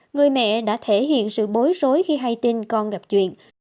người mẹ đã thể hiện sự bối rối khi hay tin con gặp chuyện